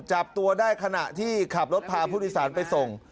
จับตัวได้ขณะที่ขับรถพาผู้โดยสารไปส่ง